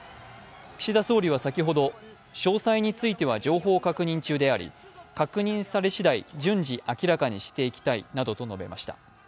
岸田総理は先ほど詳細については情報を確認中であり確認され次第、順次明らかにしていきたいなどと述べました。